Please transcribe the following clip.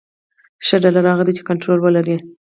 ښه بالر هغه دئ، چي کنټرول ولري.